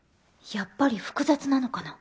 やっぱり複雑なのかな